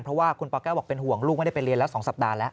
เพราะว่าคุณปแก้วบอกเป็นห่วงลูกไม่ได้ไปเรียนแล้ว๒สัปดาห์แล้ว